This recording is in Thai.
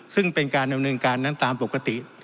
ซึ่งเป็นการดำเนินการนั้นตามปกติ